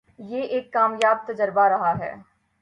یہ ایک کامیاب تجربہ رہا ہے۔